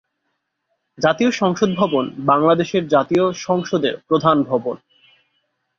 জাতীয় সংসদ ভবন বাংলাদেশের জাতীয় সংসদের প্রধান ভবন।